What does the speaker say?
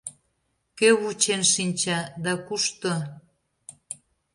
Кӧ вучен шинча да кушто?